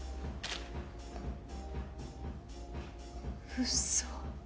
ウソ。